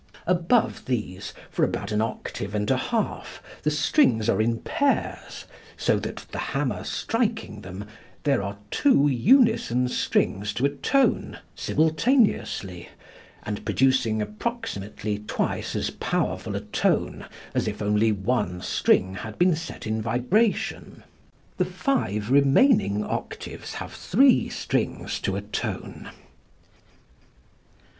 Above these, for about an octave and a half, the strings are in pairs, so that, the hammer striking them, there are two unison strings to a tone, simultaneously, and producing approximately twice as powerful a tone as if only one string had been set in vibration. The five remaining octaves have three strings to a tone.